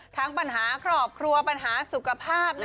ทั้งปัญหาครอบครัวปัญหาสุขภาพ